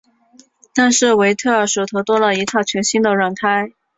但是维特尔手头多了一套全新的软胎。